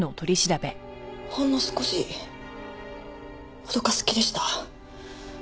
ほんの少し脅かす気でした。